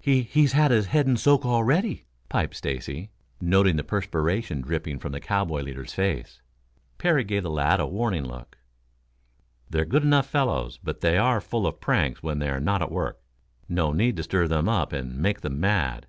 "He he's had his head in soak already," piped Stacy, noting the perspiration dripping from the cowboy leader's face. Parry gave the lad a warning look. "They're good enough fellows, but they are full of pranks when they are not at work. No need to stir them up and make them mad."